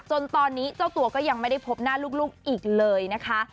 จนตอนนี้เจ้าตัวก็ยังไม่ได้พบหน้าลูกอีกเลยนะคะ